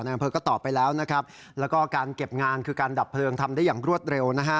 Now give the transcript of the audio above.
อำเภอก็ตอบไปแล้วนะครับแล้วก็การเก็บงานคือการดับเพลิงทำได้อย่างรวดเร็วนะฮะ